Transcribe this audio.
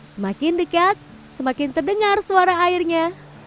semakin dekat semakin terdengar suara airnya